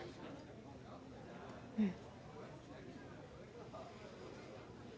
うん。